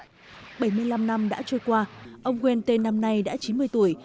trong lịch sử con người hòa bình bảy mươi năm năm đã trôi qua ông quen tê năm nay đã chín mươi tuổi